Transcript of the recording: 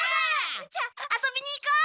じゃあ遊びに行こう！